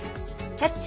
「キャッチ！